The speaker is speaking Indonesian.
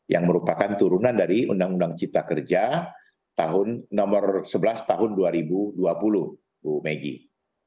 yang merupakan turunan dari undang undang cipta kerja tahun nomor sebelas tahun dua ribu dua puluh bu megi